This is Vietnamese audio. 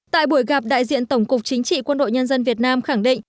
tại buổi gặp đại diện tổng cục chính trị quân đội nhân dân việt nam khẳng định